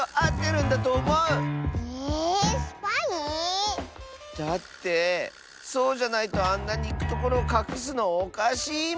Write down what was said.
ええっスパイ⁉だってそうじゃないとあんなにいくところをかくすのおかしいもん！